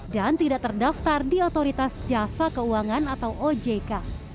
dan tidak terdaftar di otoritas jasa keuangan atau ojk